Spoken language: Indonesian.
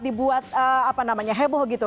dibuat heboh gitu